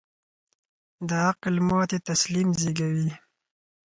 د عقل ماتې تسلیم زېږوي.